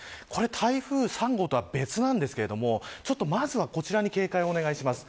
台風３号とは、別なんですけどまずはこちらに警戒をお願いします。